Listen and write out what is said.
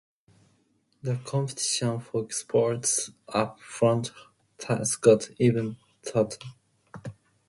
The competition for spots up front thus got even tougher.